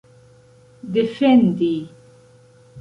defendi